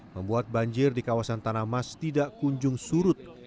membuat banjir di kawasan tanamas tidak kunjung surut